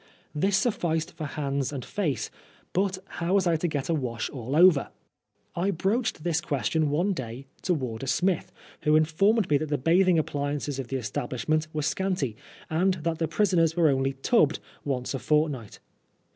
This suf&ced for hands and face, but how was I to get a wash •*ll over ? I broached this question one day to warder mith, who informed me that the bathing appliances PRISON LIFE. 13^ of the establishment were scanty, and that the prisoners were only " tubbed " once a fortnight.